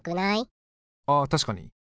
あ確かに。